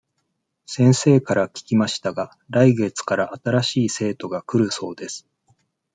先生から聞きましたが、来月から新しい生徒が来るそうです。